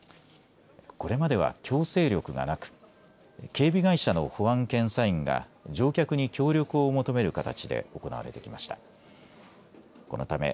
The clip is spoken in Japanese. これまでは強制力がなく警備会社の保安検査員が乗客に協力を求める形で行われてきました。